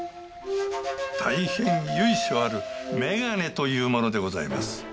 大変由緒ある眼鏡というものでございます。